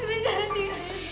nenek bangun nek